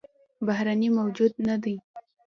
بهرنى موجود نه دى